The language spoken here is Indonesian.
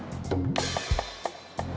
pertanyaan yang penting